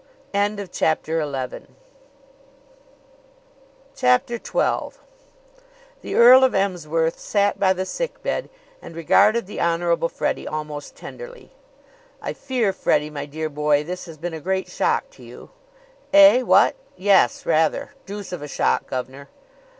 CHAPTER XII The Earl of Emsworth sat by the sick bed and regarded the Honorable Freddie almost tenderly. "I fear, Freddie, my dear boy, this has been a great shock to you." "Eh? What? Yes rather! Deuce of a shock, gov'nor."